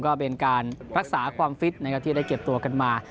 ก็เป็นการรักษาความฟิตนะครับที่ได้เก็บตัวกันมา